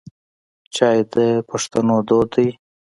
چای د پښتنو دود دی.